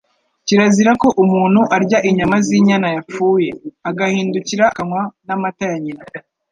Kirazira ko umuntu arya inyama z’inyana yapfuye, agahindukira akanywa n’amata ya nyina,